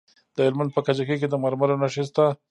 د هلمند په کجکي کې د مرمرو نښې شته.